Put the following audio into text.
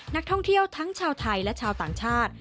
นักท่องเที่ยวทั้งชาวไทยและชาวต่างชาติ